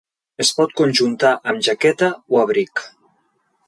Es pot conjuntar amb jaqueta o abric.